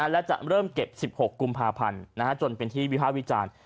และจะเริ่มเก็บ๑๖กุมภาพันธ์จนเป็นที่วิภาควิจารณ์